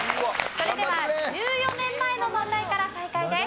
それでは１４年前の問題から再開です。